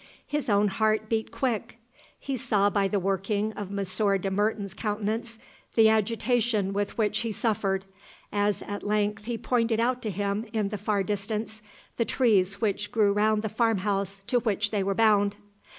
His own heart beat quick. He saw by the working of Monsieur de Merten's countenance the agitation with which he suffered, as at length he pointed out to him in the far distance the trees which grew round the farm house to which they were bound.